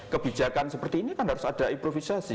kebijakan seperti ini kan harus ada improvisasi